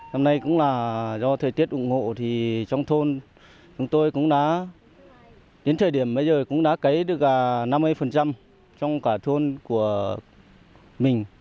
hôm nay cũng là do thời tiết ủng hộ thì trong thôn chúng tôi cũng đã đến thời điểm bây giờ cũng đã cấy được năm mươi trong cả thôn của mình